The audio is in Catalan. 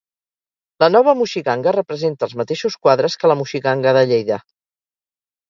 La Nova Moixiganga representa els mateixos quadres que la moixiganga de Lleida.